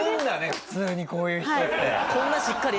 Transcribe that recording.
普通にこういう人って。